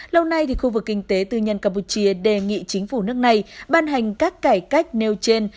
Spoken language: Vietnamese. lâu nay khu vực kinh tế tư nhân campuchia đề nghị chính phủ nước này ban hành các cải cách nêu trên